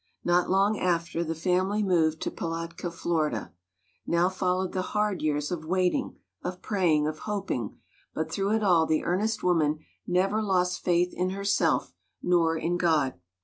Not long after, the family moved to Palatka, Florida. Now followed the hard years of waiting, of praying, of hoping; but through it all the earnest woman never lost faith in herself, nor in God.